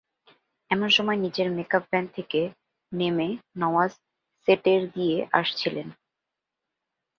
এমন সময় নিজের মেকআপ ভ্যান থেকে নেমে নওয়াজ সেটের দিয়ে আসছিলেন।